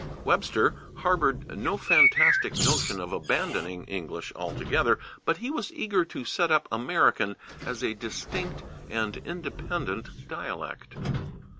Webster harbored no fantastic notion of abandoning English altogether, but he was eager to set up American as a distinct and independent dialect.